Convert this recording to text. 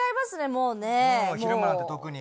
もう昼間なんて特に。